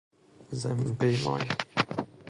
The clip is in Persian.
زمین پیمای